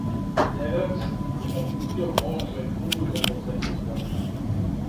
Евертс је напустио положај убрзо после избора.